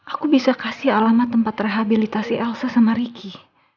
aku bisa kasih alamat tempat rehabilitasi elsa sama ricky